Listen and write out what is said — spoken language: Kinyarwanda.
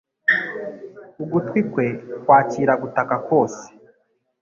Ugutwi kwe kwakira gutaka kose.